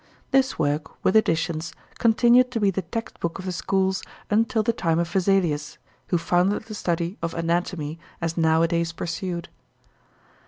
This work, with additions, continued to be the text book of the schools until the time of Vesalius, who founded the study of anatomy as nowadays pursued.